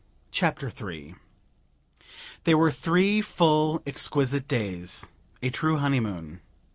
Chapter Three They were three full, exquisite days a true honeymoon.